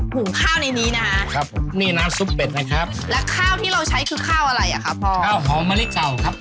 หุงข้าวในนี้นะคะ